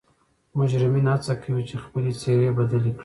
مجرمین حڅه کوي چې خپلې څیرې بدلې کړي